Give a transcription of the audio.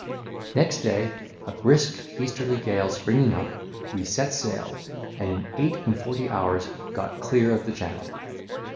Next day, a brisk easterly gale springing up, we set sail, and in eight and forty hours got clear of the Channel.